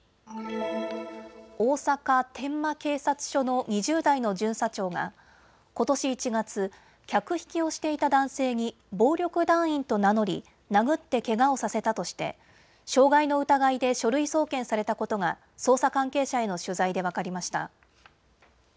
大阪、天満警察署の２０代の巡査長がことし１月、客引きをしていた男性に暴力団員と名乗り殴ってけがをさせたとして傷害の疑いで書類送検されたことが捜査関係者への取材で分かりました。